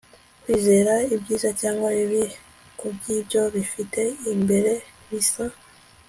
Kwizera ibyiza cyangwa bibi kubwibyo bifite imbere bisa